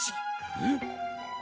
うん。